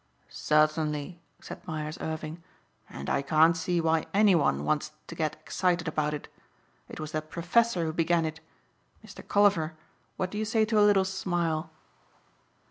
"Certainly," said Myers Irving, "and I can't see why anyone wants to get excited about it. It was that professor who began it. Mr. Colliver what do you say to a little smile?"